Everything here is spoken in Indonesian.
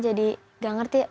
jadi nggak ngerti